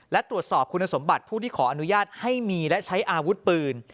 และตรวจสอบคุณสมบัติผู้ที่ขออนุญาตให้มีและใช้อาวุธปืน